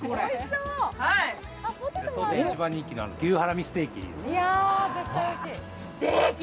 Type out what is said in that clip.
当店一番人気の牛ハラミステーキ。